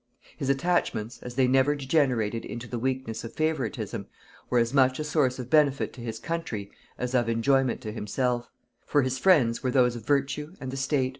His attachments, as they never degenerated into the weakness of favoritism, were as much a source of benefit to his country as of enjoyment to himself; for his friends were those of virtue and the state.